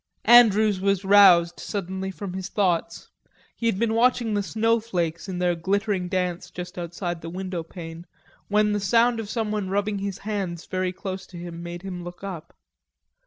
Andrews was roused suddenly from his thoughts; he had been watching the snowflakes in their glittering dance just outside the window pane, when the sound of someone rubbing his hands very close to him made him look up.